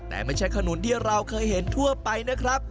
แต่ไม่ใช่ขนุนที่เราเคยเห็นทั่วไปนะครับ